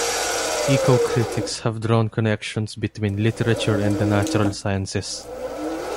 Ecocritics have drawn connections between literature and the natural sciences.